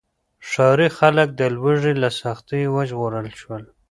ښاري خلک د لوږې له سختیو وژغورل شول.